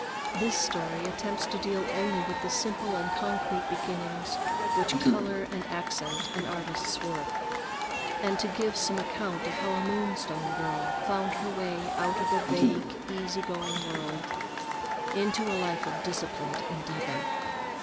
This story attempts to deal only with the simple and concrete beginnings which color and accent an artist's work, and to give some account of how a Moonstone girl found her way out of a vague, easy going world into a life of disciplined endeavor.